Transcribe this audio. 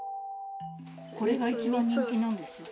これが一番人気なんですよ。